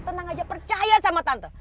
tenang aja percaya sama tante